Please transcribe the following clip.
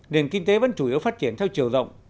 nền kinh tế vẫn chủ yếu phát triển theo chiều rộng